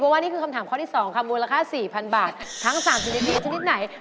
เพราะว่านี่คือคำถามข้อที่๒ค่ะมูลค่า๔๐๐๐บาททั้ง๓ชนิดนี้ชนิดไหน